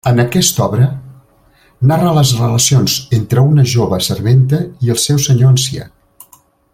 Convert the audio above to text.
En aquesta obra narra les relacions entre una jove serventa i el seu senyor ancià.